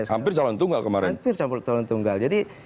hampir campur tolong tunggal